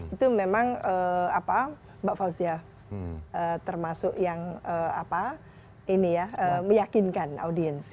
itu memang mbak fauzia termasuk yang meyakinkan audiens